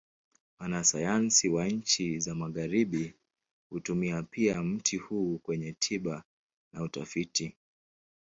Wanasayansi wa nchi za Magharibi hutumia pia mti huu kwenye tiba na utafiti.